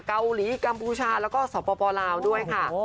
เกาหลีกัมพูชาแล้วก็สปลาวด้วยค่ะ